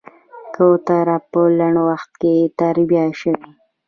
کوترې په لنډ وخت کې تربيه شوې.